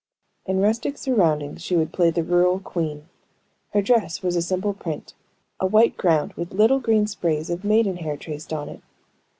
In rustic surroundings she would play the rural queen. Her dress was a simple print, a white ground with little green sprays of maiden hair traced on it.